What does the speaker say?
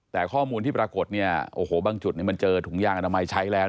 แต่ข้อมูลที่ปรากฏเนี่ยโอ้โหบางจุดมันเจอถุงยางอนามัยใช้แล้ว